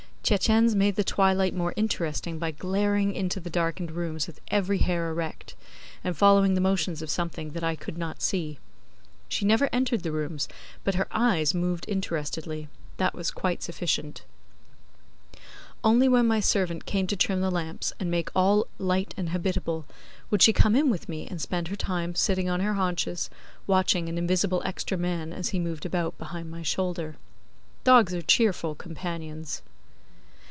Tietjens made the twilight more interesting by glaring into the darkened rooms with every hair erect, and following the motions of something that I could not see. She never entered the rooms, but her eyes moved interestedly: that was quite sufficient. Only when my servant came to trim the lamps and make all light and habitable she would come in with me and spend her time sitting on her haunches, watching an invisible extra man as he moved about behind my shoulder. Dogs are cheerful companions.